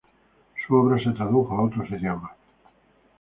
Su obra se tradujo a otros idiomas, p. ej.